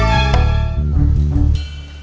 tuh liat si sulap